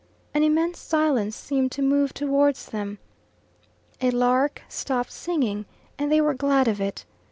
An immense silence seemed to move towards them. A lark stopped singing, and they were glad of it.